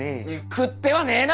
食ってはねえな！